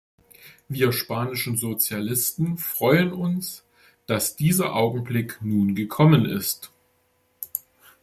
Wir spanische Sozialisten freuen uns, dass dieser Augenblick nun gekommen ist.